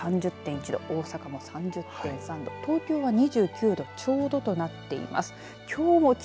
３０．１度大阪も３０．３度東京は２９度ちょうどとなっています。